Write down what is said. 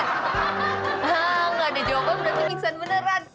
nggak ada jawaban berarti pingsan beneran